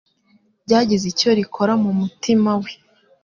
ryagize icyo rikora mu mutima we.